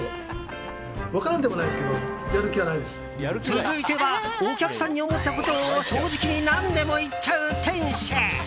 続いてはお客さんに思ったことを正直に何でも言っちゃう店主。